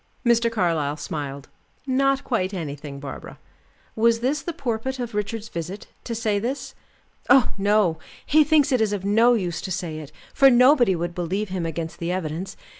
Mr. Carlyle smiled. "Not quite anything, Barbara. Was this the purport of Richard's visit to say this?" "Oh, no! He thinks it is of no use to say it, for nobody would believe him against the evidence.